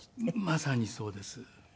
まさにそうです。